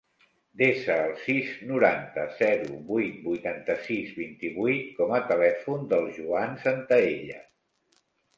Desa el sis, noranta, zero, vuit, vuitanta-sis, vint-i-vuit com a telèfon del Joan Santaella.